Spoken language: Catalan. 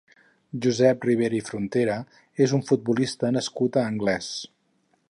Josep Ribera i Frontera és un futbolista nascut a Anglès.